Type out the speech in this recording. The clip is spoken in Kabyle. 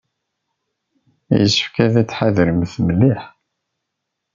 Yessefk ad tḥadremt mliḥ.